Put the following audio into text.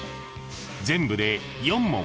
［全部で４問］